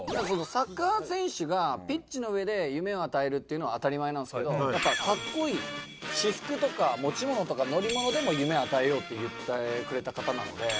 サッカー選手がピッチの上で夢を与えるっていうのは当たり前なんですけどやっぱかっこいい私服とか持ち物とか乗り物でも夢を与えようって言ってくれた方なので。